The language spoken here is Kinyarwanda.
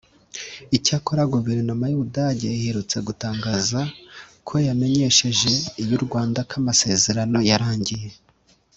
Icyakora guverinoma y’u Budage iherutse gutangaza ko yamenyesheje iy’u Rwanda ko amasezerano yarangiye